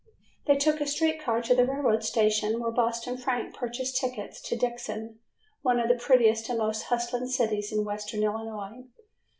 They took a street car to the railroad station, where Boston Frank purchased tickets to Dixon, one of the prettiest and most hustling cities in western Illinois.